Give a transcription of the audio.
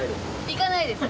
「行かないです」